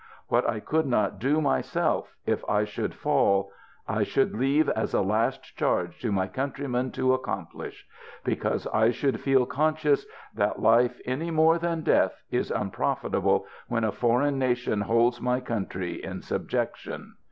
What I could not do myself, if I should fall, I should leave as a last charge to my countrymen to accomplish ; because I should feel conscious that life, any more than death, is unprofitable, when a foreign nation holds my country in sub jection.